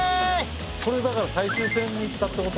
これだから最終戦に行ったってこと？